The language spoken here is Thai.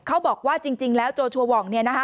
เขาบอกว่าจริงแล้วโจชัวห่อง